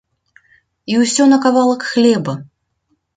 І ўсё на кавалак хлеба!